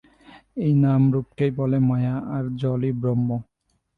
এই নাম-রূপকেই বলে মায়া, আর জলই ব্রহ্ম।